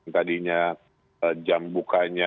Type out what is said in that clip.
tadinya jam bukanya